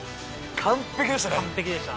完璧でした。